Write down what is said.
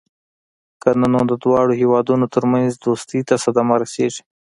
کنه نو د دواړو هېوادونو ترمنځ دوستۍ ته صدمه رسېږي.